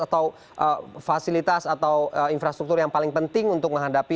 atau fasilitas atau infrastruktur yang paling penting untuk menghadapi